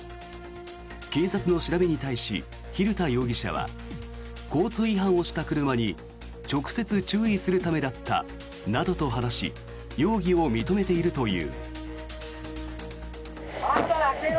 警察の調べに対し、蛭田容疑者は交通違反をした車に直接注意するためだったなどと話し容疑を認めているという。